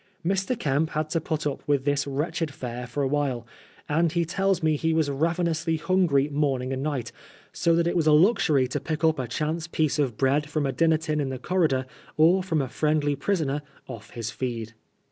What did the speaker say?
Mr. Kemp had to put up with this wretched fare for awhile, and he tells me he was ravenously hungry morning and night, so that it was a luxury to pick up a chance piece of bread from a dinner tin in die corridor or from a friendly prisoner " off his feed."